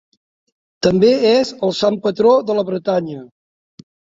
També és el sant patró de la Bretanya.